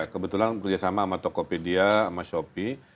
kebetulan kerjasama sama tokopedia sama shopee